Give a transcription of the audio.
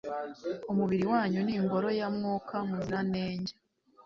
umubiri wanyu ni ingoro ya Mwuka Muziranenge